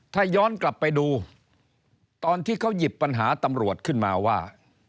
ถ้าย้อนกลับไปดูตอนที่เขาหยิบปัญหาตำรวจขึ้นมาว่า